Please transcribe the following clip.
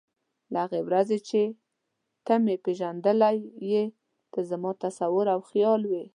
له هغې ورځې چې ته مې پېژندلی یې ته زما تصور او خیال وې.